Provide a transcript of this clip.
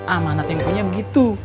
amanah timpunya begitu